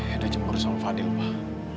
edo cemburu sama fadil pak